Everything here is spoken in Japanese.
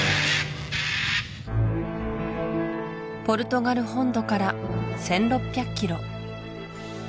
ポルトガル本土から１６００キロ